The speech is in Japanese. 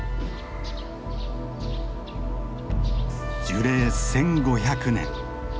樹齢１，５００年。